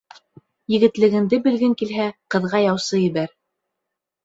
Егетлегеңде белгең килһә, ҡыҙға яусы ебәр.